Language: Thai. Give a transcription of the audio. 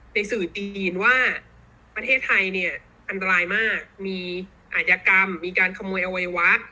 สื่อจีนว่าประเทศไทยเนี่ยอันตรายมากมีอาชญากรรมมีการขโมยอวัยวะ